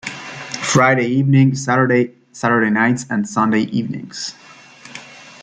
Friday evening, Saturday, Saturday Nights and Sunday evenings.